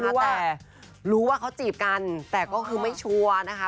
แต่รู้ว่าเขาจีบกันแต่ก็คือไม่ชัวร์นะคะ